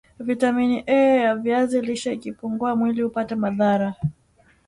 vitamin A ya viazi lishe ikipungua mwili hupata madhara